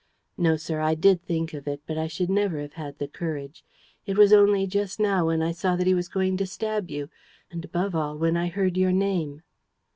No, sir, I did think of it, but I should never have had the courage. It was only just now, when I saw that he was going to stab you ... and above all when I heard your name.